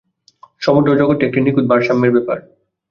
সমগ্র জগৎটি একটি নিখুঁত ভারসাম্যের ব্যাপার।